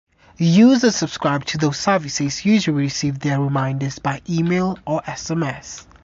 Users subscribed to those services usually receive their reminders by email or sms.